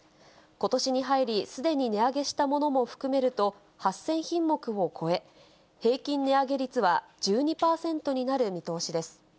ことしに入り、すでに値上げしたものも含めると８０００品目を超え、平均値上げ率は１２％になる見通しです。